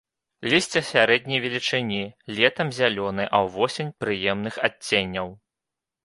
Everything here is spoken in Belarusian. Лісце сярэдняй велічыні, летам зялёнае, а ўвосень прыемных адценняў.